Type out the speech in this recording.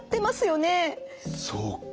そうか。